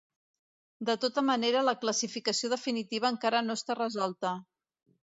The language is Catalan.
De tota manera la classificació definitiva encara no està resolta.